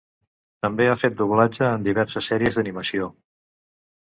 També ha fet doblatge en diverses sèries d'animació.